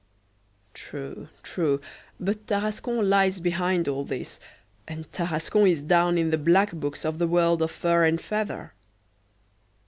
True, true; but Tarascon lies behind all this, and Tarascon is down in the black books of the world of fur and feather.